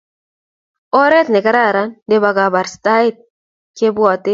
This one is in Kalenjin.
oret ne kararan ne bo kabarastaet kebwate